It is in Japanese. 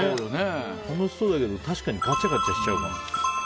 楽しそうだけど確かにガチャガチャしちゃうか。